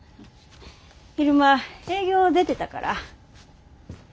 昼間営業出てたから。